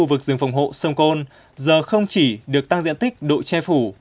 ủng hộ sông côn giờ không chỉ được tăng diện tích độ che phủ